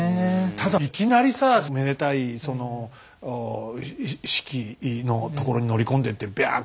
ただいきなりさめでたい式のところに乗り込んでってびゃっ！